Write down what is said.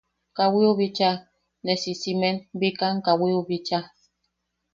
Kawiu bichaa, ne sisimen bikam kawiu bichaa.